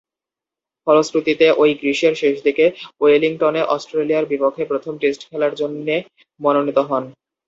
ফলশ্রুতিতে, ঐ গ্রীষ্মের শেষদিকে ওয়েলিংটনে অস্ট্রেলিয়ার বিপক্ষে প্রথম টেস্ট খেলার জন্যে মনোনীত হন।